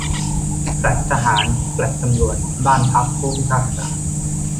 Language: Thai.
แฟลตทหาร แฟลตตำรวจ บ้านพักผู้พิพากษา